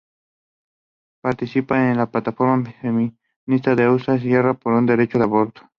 Participa en la plataforma Feminista de Euskal Herria por el Derecho al Aborto.